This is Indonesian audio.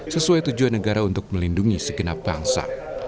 sesuai tujuan negara untuk melindungi segenap bangsa